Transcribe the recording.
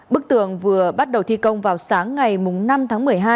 bức tường vừa bắt đầu thi công vào sáng ngày năm tháng một mươi hai